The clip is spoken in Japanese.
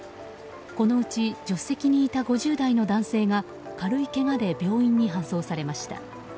このうち助手席にいた５０代の男性が軽いけがで病院に搬送されました。